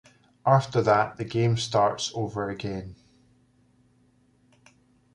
After that, the game starts over again.